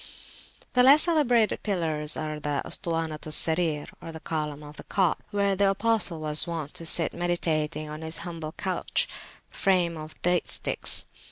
The less celebrated pillars are the Ustuwanat al Sarir, or Column of the Cot, where the Apostle was wont to sit meditating on his humble couch frame of date sticks.